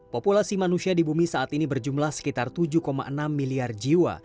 populasi manusia di bumi saat ini berjumlah sekitar tujuh enam miliar jiwa